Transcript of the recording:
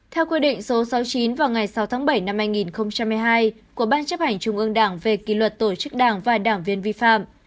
theo quy định số sáu mươi chín vào ngày sáu tháng bảy năm hai nghìn một mươi hai của ban chấp hành trung ương đảng về kỷ luật tổ chức đảng và đảng viên vi phạm